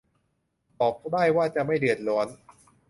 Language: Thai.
บอกได้ว่าจะไม่เดือดร้อน